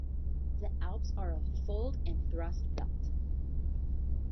The Alps are a fold and thrust belt.